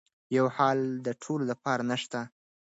یو حل د ټولو لپاره نه شته.